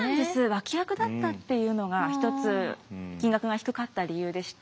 脇役だったっていうのが一つ金額が低かった理由でして。